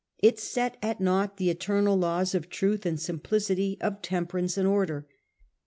It set at naught the eternal laws of truth and simplicity, of temperance and order.